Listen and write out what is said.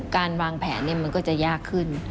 การวางแผนมันก็จะยากขึ้น